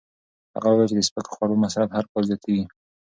هغه وویل چې د سپکو خوړو مصرف هر کال زیاتېږي.